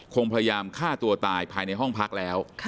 คงพยายามฆ่าตัวตายภายในห้องพักแล้ว